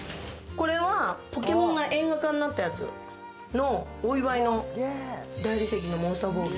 これはポケモンが映画化になったやつの、お祝いの大理石のモンスターボール。